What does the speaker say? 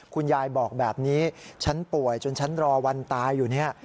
คุณยายบอกแบบนี้ฉันป่วยจนฉันรอวันตายอยู่เนี่ย